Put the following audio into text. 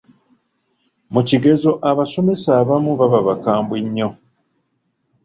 Mu kigezo abasomesa abamu baba bakambwe nnyo.